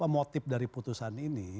motif dari putusan ini